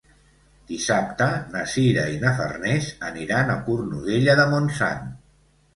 Dissabte na Sira i na Farners aniran a Cornudella de Montsant.